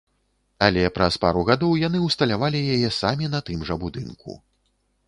Але праз пару гадоў яны ўсталявалі яе самі на тым жа будынку.